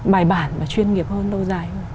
bài bản và chuyên nghiệp hơn lâu dài